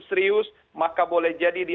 serius maka boleh jadi di